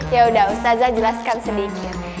ya udah ustadzah jelaskan sedikit